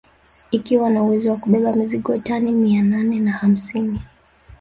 Ikiwa na uwezo wa kubeba mizigo tani mia nane na hamsini